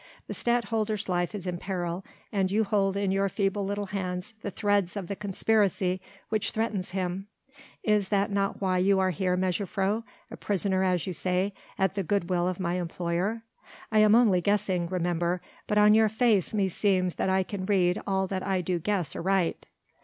The Stadtholder's life is in peril and you hold in your feeble little hands the threads of the conspiracy which threatens him ... is that not why you are here, mejuffrouw ... a prisoner, as you say, at the good will of my employer? I am only guessing, remember, but on your face, meseems that I can read that I do guess aright."